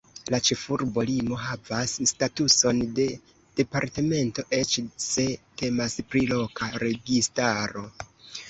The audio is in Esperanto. La ĉefurbo Limo havas statuson de departemento, eĉ se temas pri loka registaro.